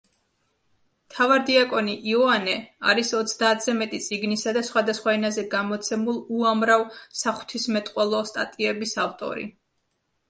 მთავარდიაკონი იოანე არის ოცდაათზე მეტი წიგნისა და სხვადასხვა ენაზე გამოცემულ უამრავ საღვთისმეტყველო სტატიების ავტორი.